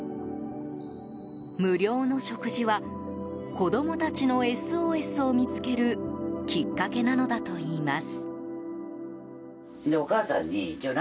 無料の食事は子供たちのＳＯＳを見つけるきっかけなのだといいます。